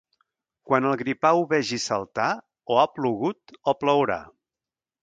Quan el gripau vegis saltar, o ha plogut o plourà.